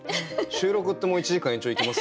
収録ってもう１時間延長いけます？